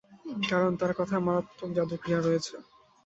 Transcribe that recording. কারণ তার কথায় মারাত্মক যাদুক্রিয়া রয়েছে।